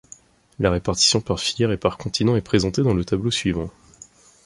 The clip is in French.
La répartition par filière et par continent est présentée dans le tableau suivant.